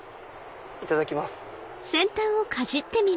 いただきます。